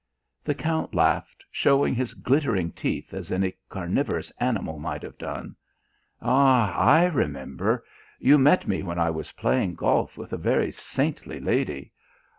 The count laughed, showing his glittering teeth as any carnivorous animal might have done. "Ah, I remember. You met me when I was playing golf with a very saintly lady.